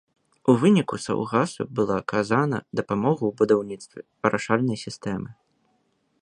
У выніку саўгасу была аказана дапамога ў будаўніцтве арашальнай сістэмы.